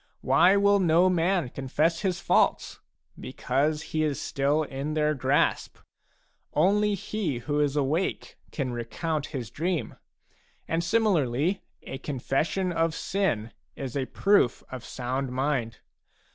Why will no man confess his faults? Because he is still in their grasp ; only he who is awake can recount his dream, and similarly a confession of sin is a proof of sound mind.